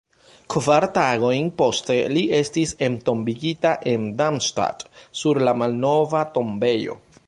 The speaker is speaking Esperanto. Kvar tagojn poste li estis entombigita en Darmstadt sur la malnova tombejo.